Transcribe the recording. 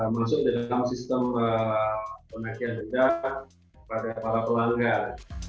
masuk dalam sistem penyampilan denda pada para pelanggar